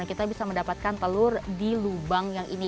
kita bisa mendapatkan telur di lubang yang ini